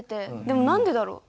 でも何でだろう？